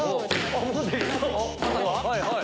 はいはい！